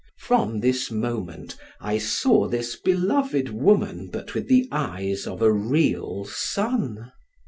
From this moment I saw this beloved woman but with the eyes of a real son.